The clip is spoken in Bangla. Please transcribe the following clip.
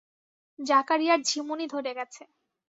জাকারিয়ার ঝিমুনি ধরে গেছে।